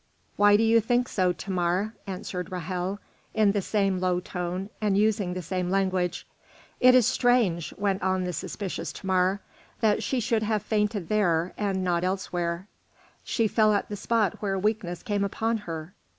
"Why do you think so, Thamar?" answered Ra'hel, in the same low tone and using the same language. "It is strange," went on the suspicious Thamar, "that she should have fainted there, and not elsewhere." "She fell at the spot where weakness came upon her."